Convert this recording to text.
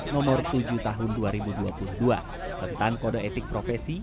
nomor tujuh tahun dua ribu dua puluh dua tentang kode etik profesi